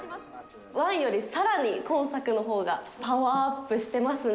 前よりさらに今作のほうがパワーアップしてますね。